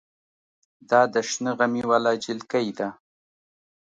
دا د شنه غمي واله جلکۍ ده.